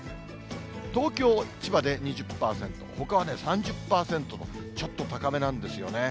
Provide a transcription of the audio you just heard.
東京、千葉で２０％、ほかは３０％、ちょっと高めなんですよね。